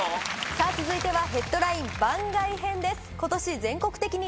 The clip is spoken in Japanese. さぁ続いてはヘッドライン番外編です。